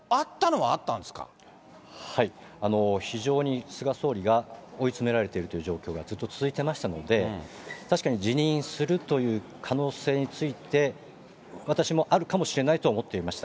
はい、非常に菅総理が追い詰められているという状況がずっと確かに辞任するという可能性について、私もあるかもしれないと思っていました。